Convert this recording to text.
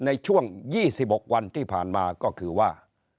ในช่วง๒๖วันที่ผ่านมาก็คือว่า